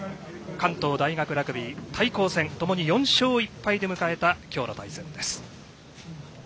関東大学ラグビー対抗戦。ともに４勝１敗で迎えた今日の対戦です。